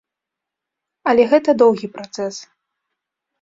Але гэта доўгі працэс.